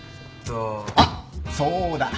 あっそうだ。